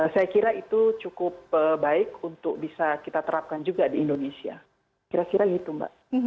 saya kira itu cukup baik untuk bisa kita terapkan juga di indonesia kira kira gitu mbak